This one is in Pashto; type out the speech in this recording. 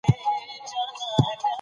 افغانستان د دښتې په اړه علمي څېړنې لري.